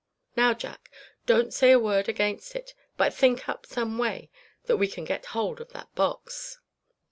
Now Jack, don't say a word against it, but think up some way that we can get hold of that box."